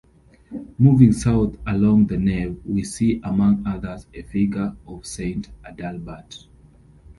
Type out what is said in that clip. Moving south along the nave, we see among others a figure of Saint Adalbert.